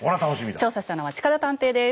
調査したのは近田探偵です。